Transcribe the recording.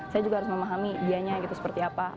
saya juga harus memahami dianya gitu seperti apa